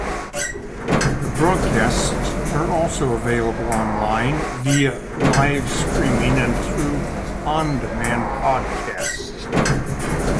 The broadcasts are also available online, via live-streaming and through on-demand podcasts.